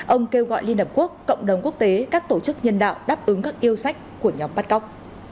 ông kêu gọi liên hợp quốc cộng đồng quốc tế các tổ chức nhân đạo đáp ứng các yêu sách của nhóm bắt cóc